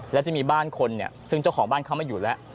แล้วจะมีบ้านคนซึ่งเจ้าของบ้านเข้ามาอยู่แล้ว